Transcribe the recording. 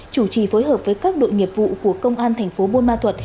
chủ trì phối hợp với các đội nghiệp vụ của công an tp buôn ma thuật